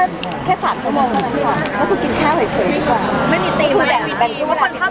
เราจะปล่อย